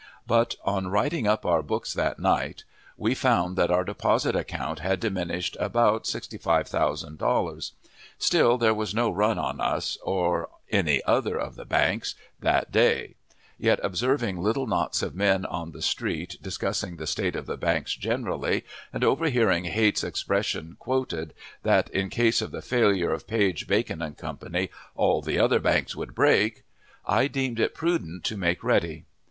But, on writing up our books that night, we found that our deposit account had diminished about sixty five thousand dollars. Still, there was no run on us, or any other of the banks, that day; yet, observing little knots of men on the street, discussing the state of the banks generally, and overhearing Haight's expression quoted, that, in case of the failure of Page, Bacon & Co., "all the other banks would break," I deemed it prudent to make ready.